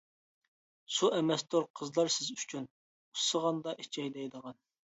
سۇ ئەمەستۇر قىزلار سىز ئۈچۈن، ئۇسسىغاندا ئىچەي دەيدىغان.